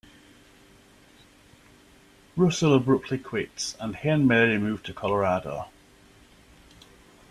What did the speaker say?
Russell abruptly quits and he and Mary move to Colorado.